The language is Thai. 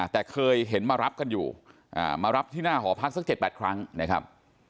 แต่เคยเห็นมารับกันอยู่มารับที่หน้าหอพักสัก๗๘ครั้งนะครับ